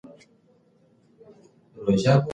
که اسمان شین وي نو زړه نه تنګیږي.